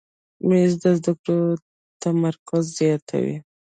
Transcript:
مېز د زده کړو تمرکز زیاتوي.